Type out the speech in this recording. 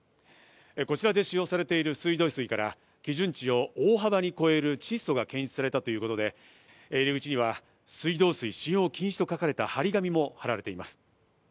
こちらで使用されている水道水から、基準値を大幅に超える窒素が検出されたということで、入り口には水道水使用禁止と書かれた張り紙も貼られています。